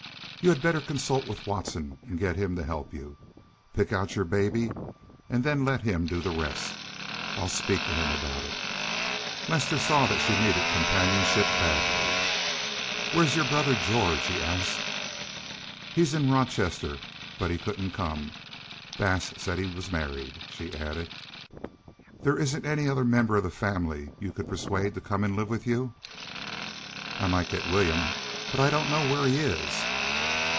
You had better consult with Watson and get him to help you. Pick out your baby, and then let him do the rest. I'll speak to him about it." Lester saw that she needed companionship badly. "Where is your brother George?" he asked. "He's in Rochester, but he couldn't come. Bass said he was married," she added. "There isn't any other member of the family you could persuade to come and live with you?" "I might get William, but I don't know where he is."